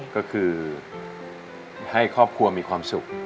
ก็คือให้ครอบครัวมีความสุข